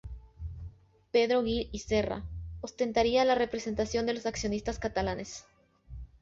Pedro Gil y Serra ostentaría la representación de los accionistas catalanes.